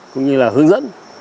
cũng như là hướng dẫn